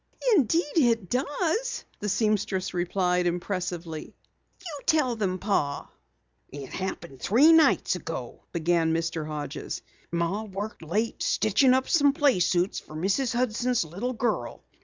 "Indeed, it does," the seamstress replied impressively. "You tell them, Pa." "It happened three nights ago," began Mr. Hodges. "Ma worked late stitchin' up some playsuits for Mrs. Hudson's little girl.